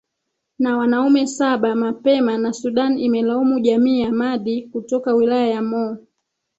na wanaume saba mapema na sudan imelaumu jamii ya madi kutoka wilaya ya mo